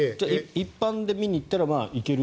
一般で見に行ったら行ける